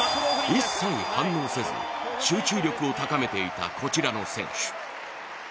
一切、反応せず集中力を高めていたこちらの選手。